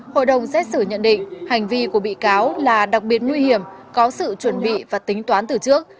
hội đồng xét xử nhận định hành vi của bị cáo là đặc biệt nguy hiểm có sự chuẩn bị và tính toán từ trước